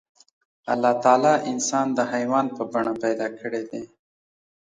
الله تعالی انسان د حيوان په بڼه پيدا کړی دی.